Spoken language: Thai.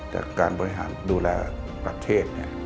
จากการบริหารดูแลประเทศ